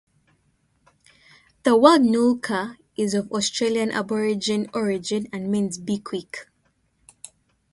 The word "Nulka" is of Australian Aboriginal origin and means "be quick".